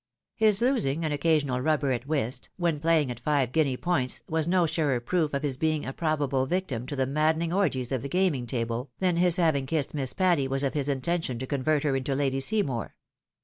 His losing an occasional rubber at whist, when playing at five guinea points, was no surer proof of his being a probable victim to the maddening orgies of the gaming table, than his having kissed Miss Patty was of his intention to convert her into Lady Seymour.